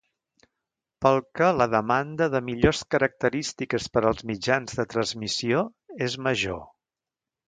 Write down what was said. Pel que la demanda de millors característiques per als mitjans de transmissió és major.